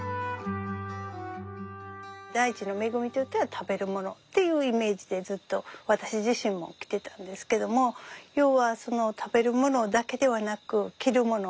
大地の恵みといったら食べるものっていうイメージでずっと私自身もきてたんですけども要は食べるものだけではなく着るもの